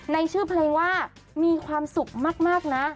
ในชื่อเพลงว่ามีความสุขมากนะ